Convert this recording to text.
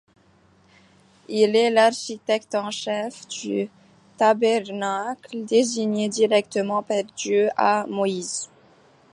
Il est l'architecte en chef du tabernacle, désigné directement par Dieu à Moïse.